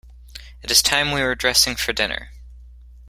It is time we were dressing for dinner.